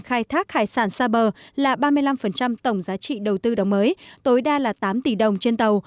khai thác hải sản xa bờ là ba mươi năm tổng giá trị đầu tư đóng mới tối đa là tám tỷ đồng trên tàu